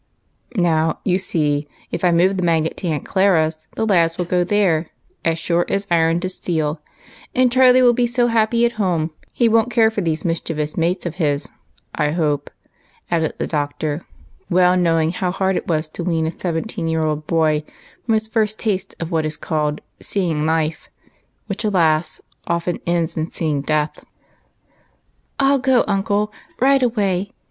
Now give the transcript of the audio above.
" Now, you see, if I move the magnet to Aunt Clara's, the lads will go there as sure as iron to steel, and Charlie will be so hajjpy at home he won't care for these mischievous mates of his ; I hope," added the Doctor, well knowing how hard it was to wean a geventeen year old boy from his first taste of what is called "seeing life," which, alas! often ends in seeing death. " I '11 go, uncle, right away